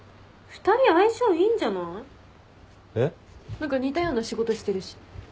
何か似たような仕事してるし。